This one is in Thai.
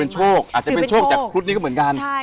โชคอาจจะเป็นโชคจากครุฑนี้ก็เหมือนกัน